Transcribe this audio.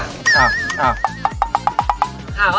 อ้าวอ้าว